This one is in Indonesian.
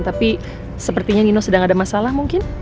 tapi sepertinya nino sedang ada masalah mungkin